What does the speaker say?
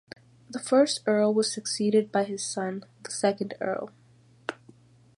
The first Earl was succeeded by his son, the second Earl.